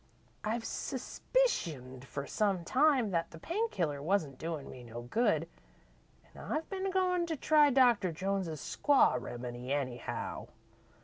I've suspicioned for some time that the pain killer wan't doin' me no good, an' I've been goin' to try Doctor Jones's Squaw Remedy, anyhow.